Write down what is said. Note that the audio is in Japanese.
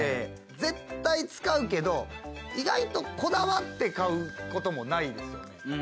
絶対使うけど意外とこだわって買うこともないんですよね。